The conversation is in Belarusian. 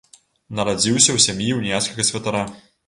Нарадзіўся ў сям'і ўніяцкага святара.